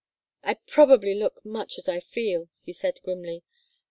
"I probably look much as I feel," he said, grimly.